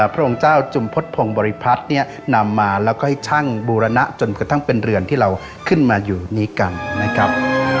พระองค์เจ้าจุมพฤษพงศ์บริพัฒน์เนี่ยนำมาแล้วก็ให้ช่างบูรณะจนกระทั่งเป็นเรือนที่เราขึ้นมาอยู่นี้กันนะครับ